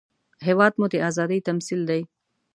هېواد مو د ازادۍ تمثیل دی